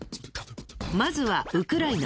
まずはウクライナ。